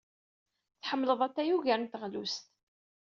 Tḥemmleḍ atay ugar n teɣlust.